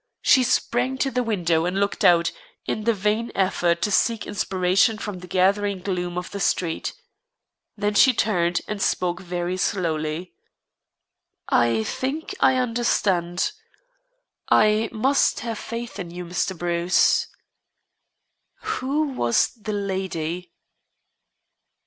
She sprang to the window and looked out, in the vain effort to seek inspiration from the gathering gloom of the street. Then she turned, and spoke very slowly: "I think I understand. I must have faith in you, Mr. Bruce. Who was the lady?"